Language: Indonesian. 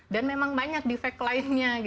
dan memang banyak defect lainnya